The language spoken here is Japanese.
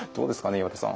岩田さん。